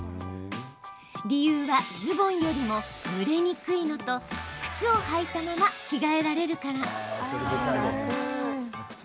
理由はズボンよりも蒸れにくいのと靴を履いたまま着替えられるから。